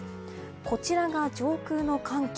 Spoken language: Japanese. こちらが上空の寒気。